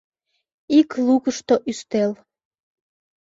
Ик лукышто ӱстел.